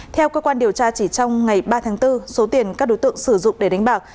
theo cơ quan điều tra chỉ trong ngày ba tháng bốn số tiền các đối tượng sử dụng để đánh bạc